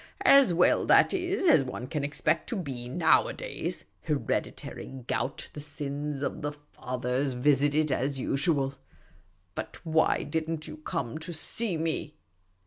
" As well, that is, as one can expect to be nowadays. Hereditary gout — the sins of the fathers visited as usual. But why did n't you come to see me